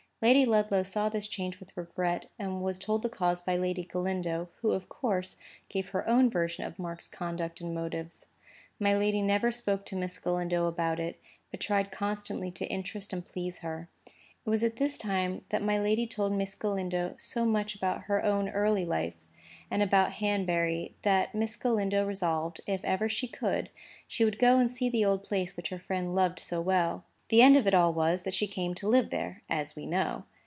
Lady Ludlow saw this change with regret, and was told the cause by Lady Galindo, who of course, gave her own version of Mark's conduct and motives. My lady never spoke to Miss Galindo about it, but tried constantly to interest and please her. It was at this time that my lady told Miss Galindo so much about her own early life, and about Hanbury, that Miss Galindo resolved, if ever she could, she would go and see the old place which her friend loved so well. The end of it all was, that she came to live there, as we know.